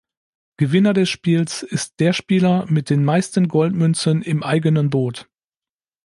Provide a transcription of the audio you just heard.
Gewinner des Spiels ist der Spieler mit den meisten Goldmünzen im eigenen Boot.